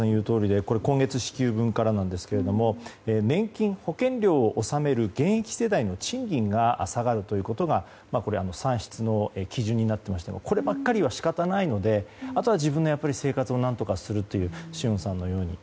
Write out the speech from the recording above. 今月支給分からなんですが年金、保険料を納める現役世代の賃金が下がるということが算出の基準になっていましたがこればっかりは仕方がないのであとは自分で生活を何とかするという紫苑さんのように。